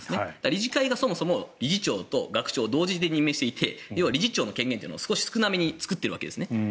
理事会がそもそも理事長と学長を同時に任命していて要は理事長の権限を少なめに作っているんですね。